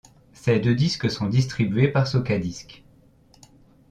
Ces deux disques sont distribués par Socadisc.